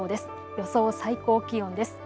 予想最高気温です。